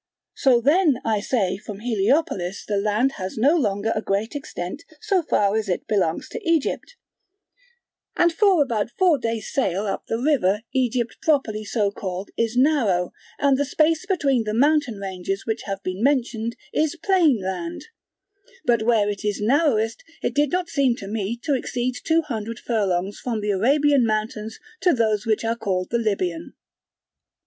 So then, I say, from Heliopolis the land has no longer a great extent so far as it belongs to Egypt, and for about four days' sail up the river Egypt properly so called is narrow: and the space between the mountain ranges which have been mentioned is plain land, but where it is narrowest it did not seem to me to exceed two hundred furlongs from the Arabian mountains to those which are called the Libyan.